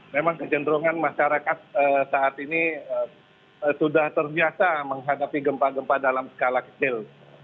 memang kecenderungan masyarakat saat ini sudah terbiasa menghadapi gempa gempa dalam skala kecil